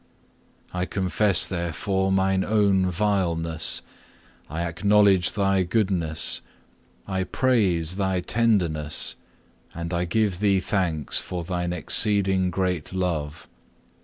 I confess therefore mine own vileness, I acknowledge Thy goodness, I praise Thy tenderness, and I give Thee thanks for Thine exceeding great love.